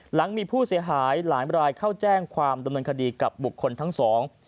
หลังมีผู้เสียหายหลายรายเข้าแจ้งความดำเนินคดีกับบุคคลทั้งสอง